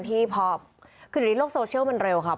ที่พอคืออยู่ในโลกโซเชียลมันเร็วครับ